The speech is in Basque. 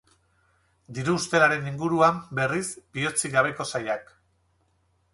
Diru ustelaren inguruan, berriz, bihotzik gabeko saiak.